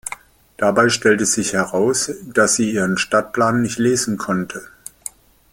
Dabei stellte sich heraus, dass sie ihren Stadtplan nicht lesen konnte.